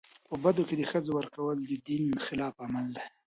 په بدو کي د ښځو ورکول د دین خلاف عمل دی.